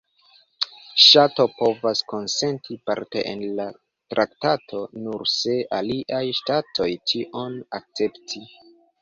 Ŝtato povas konsenti parte en la traktato, nur se aliaj ŝtatoj tion akcepti.